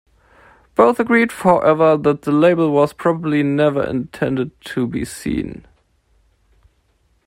Both agree, however, that the label was probably never intended to be seen.